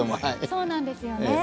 そうなんですよね。